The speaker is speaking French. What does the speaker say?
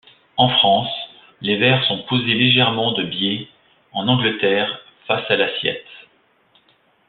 En France, les verres sont posés légèrement de biais, en Angleterre face à l'assiette.